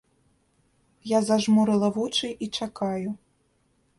Я зажмурыла вочы і чакаю.